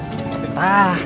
jangan pada ngobrol aja aku